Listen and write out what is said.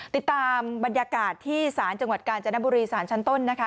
ติดตามบรรยากาศที่ศาลจังหวัดกาญจนบุรีสารชั้นต้นนะคะ